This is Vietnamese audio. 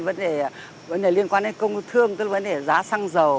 vấn đề liên quan đến công thương tức là vấn đề giá xăng dầu